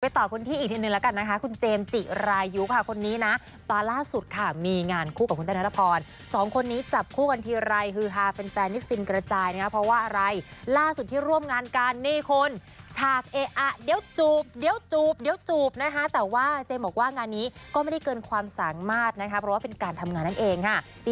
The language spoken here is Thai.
ต่อคนที่อีกทีหนึ่งแล้วกันนะคะคุณเจมส์จิรายุค่ะคนนี้นะตอนล่าสุดค่ะมีงานคู่กับคุณธนพรสองคนนี้จับคู่กันทีไรฮือฮาแฟนที่ฟินกระจายนะครับเพราะว่าอะไรล่าสุดที่ร่วมงานกันนี่คุณฉากเอ๊ะอ่ะเดี๋ยวจูบเดี๋ยวจูบเดี๋ยวจูบนะคะแต่ว่าเจมส์บอกว่างานนี้ก็ไม่ได้เกินความสามารถนะคะเพราะว่าเป็นการทำงานนั่นเองค่ะ